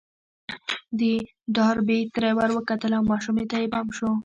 د ډاربي تره ور وکتل او ماشومې ته يې پام شو.